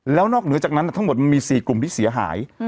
แล้วนอกเหนือจากนั้นทั้งหมดมันมี๔กลุ่มที่เสียหาย